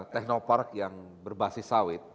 teknopark yang berbasis sawit